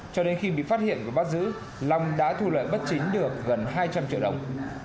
cho đến khi bị phát hiện và bắt giữ long đã thu lợi bất chính được gần hai trăm linh triệu đồng